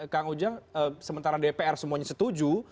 kang ujang sementara dpr semuanya setuju